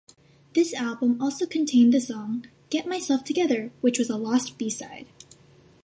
This album also contained the song "Get Myself Together" which was a lost B-side.